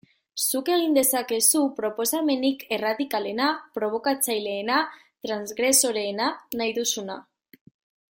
Zuk egin dezakezu proposamenik erradikalena, probokatzaileena, transgresoreena, nahi duzuna...